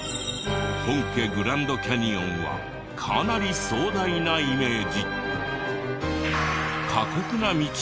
本家グランドキャニオンはかなり壮大なイメージ。